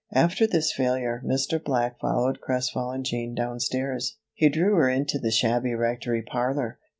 After this failure, Mr. Black followed crestfallen Jean downstairs; he drew her into the shabby Rectory parlor.